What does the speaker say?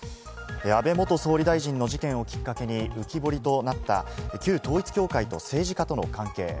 安倍元総理大臣の事件をきっかけに浮き彫りとなった旧統一教会と政治家との関係。